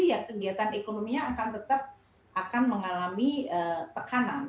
kegiatan ekonominya akan tetap mengalami tekanan